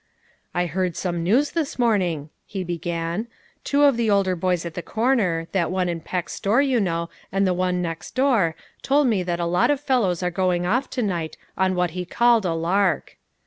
" I heard some news this morning," he began. "Two of the older boys at the corner, that one in Peck's store, you know, and the one next door told me that a lot of fellows were going off to night on what he called a lark.